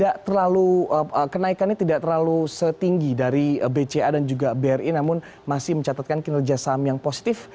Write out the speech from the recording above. tidak terlalu kenaikannya tidak terlalu setinggi dari bca dan juga bri namun masih mencatatkan kinerja saham yang positif